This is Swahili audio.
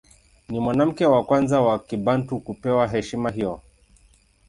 Ni mwanamke wa kwanza wa Kibantu kupewa heshima hiyo.